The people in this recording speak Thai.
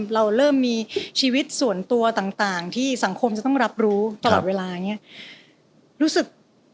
เราเริ่มมีชีวิตส่วนตัวต่างที่สังคมจะต้องรับรู้ตลอดเวลานี้รู้สึก